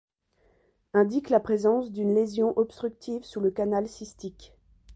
Indique la présence d'une lésion obstructive sous le canal cystique.